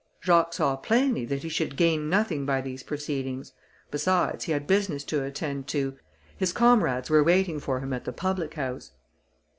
Jacques saw plainly that he should gain nothing by these proceedings; besides, he had business to attend to; his comrades were waiting for him at the public house.